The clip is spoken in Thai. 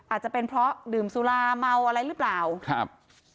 อาจจะเป็นเพราะดื่มสุราเมาอะไรหรือเปล่าครับ